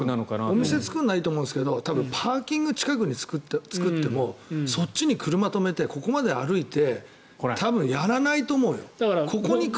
お店を作るのはいいと思うんですけど多分パーキング近くに作ってもそっちに車を止めてここまで歩いて多分、やらないと思うよ。